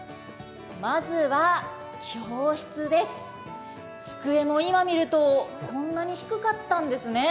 まずは教室です、机も今見るとこんなに低かったんですね。